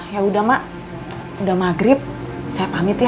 yaudah emak udah maghrib saya pamit ya